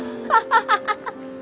ハハハハッ！